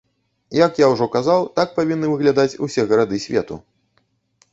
Як я ўжо казаў, так павінны выглядаць усе гарады свету.